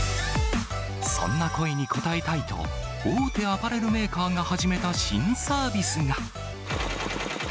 そんな声に応えたいと、大手アパレルメーカーが始めた新サービスが。